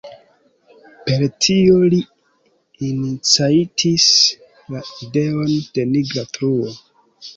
Per tio li iniciatis la ideon de nigra truo.